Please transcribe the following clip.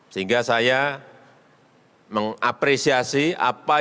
sehingga saya mengapresiasi apa yang